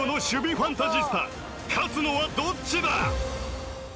ファンタジスタ勝つのはどっちだ！